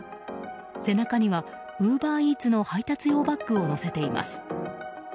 背中にはウーバーイーツの配達用バッグを載せています。